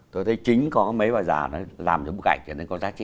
tôi thấy chính có mấy bà già làm cho bức ảnh này có giá trị